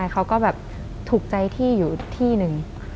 เขาก็แบบถูกใจที่อยู่ที่หนึ่ง